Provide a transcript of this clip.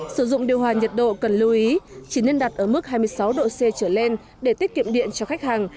sử dụng điều hòa nhiệt độ cần lưu ý chỉ nên đặt ở mức hai mươi sáu độ c trở lên để tiết kiệm điện cho khách hàng